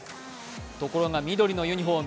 ところが緑のユニフォーム